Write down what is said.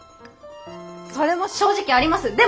それも正直あります。